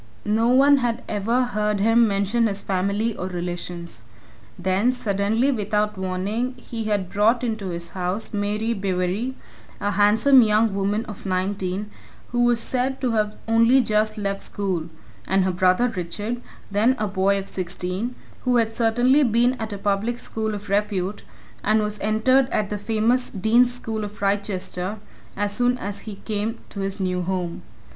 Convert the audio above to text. No one had ever heard him mention his family or relations; then, suddenly, without warning, he had brought into his house Mary Bewery, a handsome young woman of nineteen, who was said to have only just left school, and her brother Richard, then a boy of sixteen, who had certainly been at a public school of repute and was entered at the famous Dean's School of Wrychester as soon as he came to his new home.